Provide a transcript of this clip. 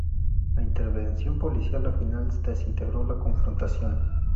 La intervención policial al final desintegró la confrontación.